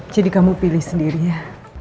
jadi kamu pilih sendiri ya